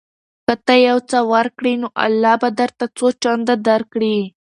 که ته یو څه ورکړې نو الله به درته څو چنده درکړي.